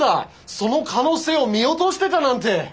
その可能性を見落としてたなんて！